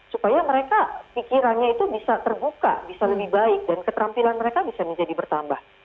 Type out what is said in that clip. supaya mereka pikirannya itu bisa terbuka bisa lebih baik dan keterampilan mereka bisa menjadi bertambah